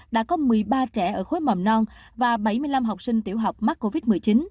đã có một mươi ba trẻ ở khối mầm non và bảy mươi năm học sinh tiểu học mắc covid một mươi chín